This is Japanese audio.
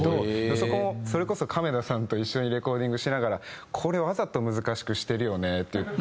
そこもそれこそ亀田さんと一緒にレコーディングしながら「これわざと難しくしてるよね」って言って。